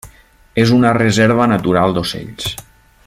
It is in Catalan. És una reserva natural d'ocells.